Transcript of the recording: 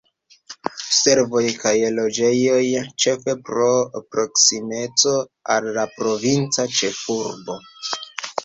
Servoj kaj loĝejoj, ĉefe pro proksimeco al la provinca ĉefurbo.